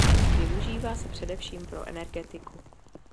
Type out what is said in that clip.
Využívá se především pro energetiku.